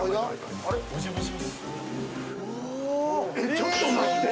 ちょっと待って！